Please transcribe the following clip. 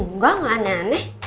nggak ga aneh aneh